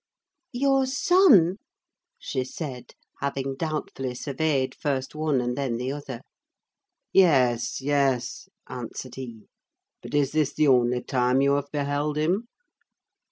"Your son?" she said, having doubtfully surveyed, first one and then the other. "Yes, yes," answered he: "but is this the only time you have beheld him?